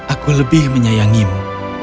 aku lebih menyayangimu